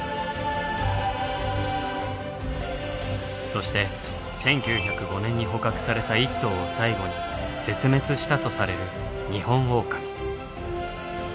そして１９０５年に捕獲された１頭を最後に絶滅したとされる「ニホンオオカミ」。